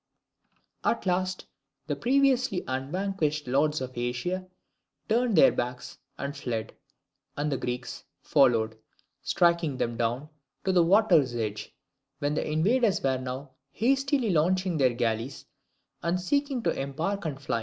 ] At last the previously unvanquished lords of Asia turned their backs and fled, and the Greeks followed, striking them down, to the water's edge, where the invaders were now hastily launching their galleys, and seeking to embark and fly.